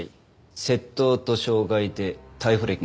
窃盗と傷害で逮捕歴があった。